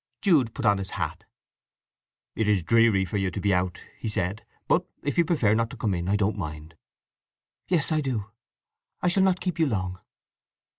Jude put on his hat. "It is dreary for you to be out," he said. "But if you prefer not to come in, I don't mind." "Yes—I do. I shall not keep you long."